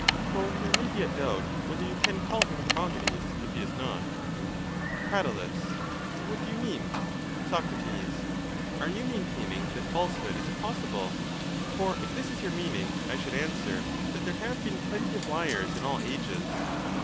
For there may be a doubt whether you can call him Hermogenes, if he is not. Crat. What do you mean? Soc. Are you maintaining that falsehood is impossible? For if this is your meaning I should answer, that there have been plenty of liars in all ages.